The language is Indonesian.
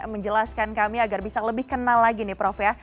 menjelaskan kami agar bisa lebih kenal lagi prof